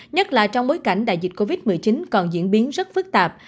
nhất là trong bối cảnh đại dịch covid một mươi chín còn diễn biến rất phức tạp